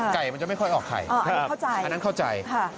ไก่มันจะไม่ค่อยออกไข่อันนั้นเข้าใจ